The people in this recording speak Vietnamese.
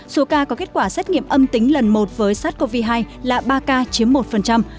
số ca có kết quả xét nghiệm âm tính lần một với sars cov hai là ba ca chiếm một